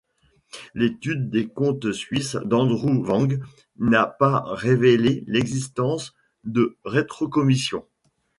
L'étude des comptes suisses d'Andrew Wang n'a pas révélé l'existence de rétrocommissions.